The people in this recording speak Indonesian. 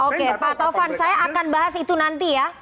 oke pak taufan saya akan bahas itu nanti ya